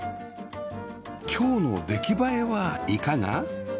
今日の出来栄えはいかが？